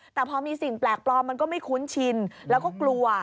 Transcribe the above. แต่พอมีสิ่งแปลกปลอมมันก็ไม่คุ้นชินแล้วก็กลัว